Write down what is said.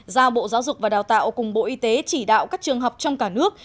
giao bộ giáo dục và đào tạo cùng bộ y tế chỉ đạo các trường học trong cả nước